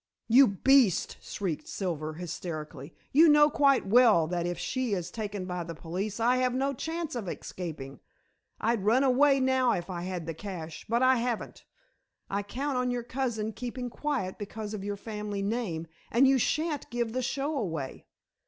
"You beast!" shrieked Silver hysterically. "You know quite well that if she is taken by the police I have no chance of escaping. I'd run away now if I had the cash. But I haven't. I count on your cousin keeping quiet because of your family name, and you shan't give the show away."